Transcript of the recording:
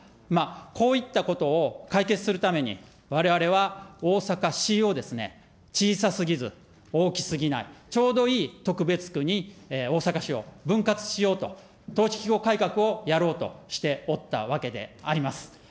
こういったことを解決するために、われわれは大阪市をですね、小さすぎず、大きすぎない、ちょうどいい特別区に大阪市を分割しようと、統治機構改革をやろうとしておったわけであります。